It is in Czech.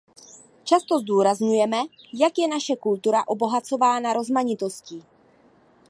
Často zdůrazňujeme, jak je naše kultura obohacována rozmanitostí.